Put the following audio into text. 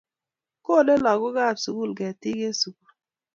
Kole lagook kab sugul ketik eng sugul